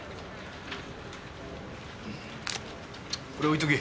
これ置いておけ。